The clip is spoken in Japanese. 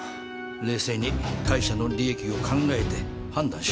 冷静に会社の利益を考えて判断しろ。